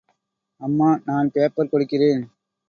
அம்மா, நான் பேப்பர் கொடுக்கிறேன்.